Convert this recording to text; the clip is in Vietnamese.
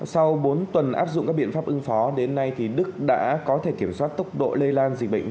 sau bốn tuần áp dụng các biện pháp ứng phó đến nay đức đã có thể kiểm soát tốc độ lây lan dịch bệnh